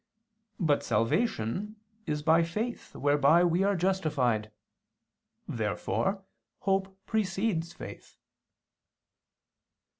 But salvation is by faith whereby we are justified. Therefore hope precedes faith.